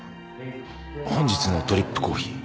本日のドリップコーヒー。